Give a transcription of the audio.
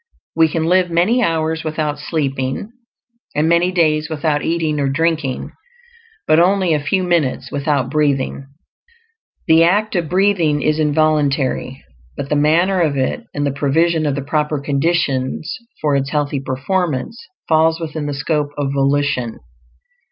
We can live many hours without sleeping, and many days without eating or drinking, but only a few minutes without breathing. The act of breathing is involuntary, but the manner of it, and the provision of the proper conditions for its healthy performance, falls within the scope of volition.